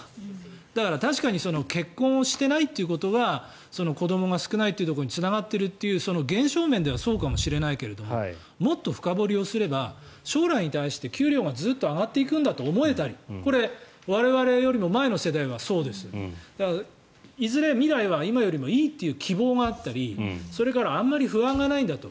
だから、確かに結婚をしていないということが子どもが少ないというところにつながっているという現象面ではそうかもしれないけどもっと深掘りをすれば将来に対して給料がずっと上がっていくんだと思えたりこれ、我々よりも前の世代はそうですよ。いずれ未来は今よりもいいという希望があったりあまり不安がないんだと。